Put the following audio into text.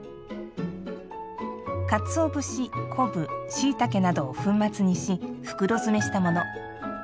かつお節・昆布・しいたけなどを粉末にし、袋詰めしたもの。